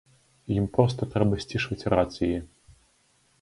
Ім проста трэба сцішваць рацыі.